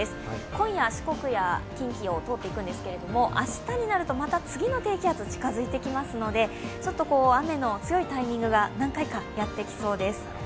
今夜、四国や近畿を通っていくんですけれども明日になると次の低気圧が近づいてきますので、ちょっと雨の強いタイミングが何回かやってきそうです。